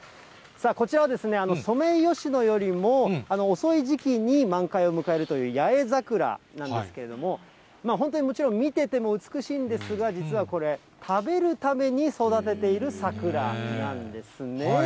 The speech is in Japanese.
こちらは、ソメイヨシノよりも遅い時期に満開を迎えるという八重桜なんですけれども、本当にもちろん、見てても美しいんですが、実はこれ、食べるために育てている桜なんですね。